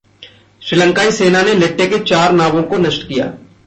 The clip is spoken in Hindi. श्रीलंकाई सेना ने लिट्टे के चार नावों को नष्ट किया